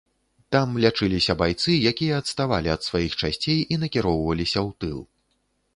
Там лячыліся байцы, якія адставалі ад сваіх часцей і накіроўваліся ў тыл.